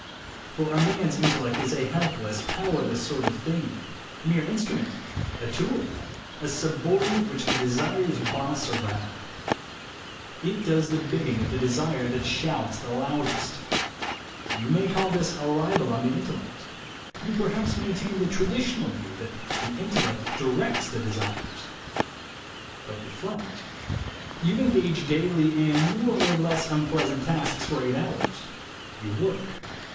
For a man's intellect is a helpless, powerless sort of thing, a mere instrument, a tool, a subordinate, which the desires boss around. It does the bidding 8 THE WAY TO WILL POWER of the desire that shouts the loudest. You may call this a libel on the intellect. You perhaps maintain the traditional view that the intellect directs the desires. But reflect. You engage daily in more or less unpleasant tasks for eight hours; you work.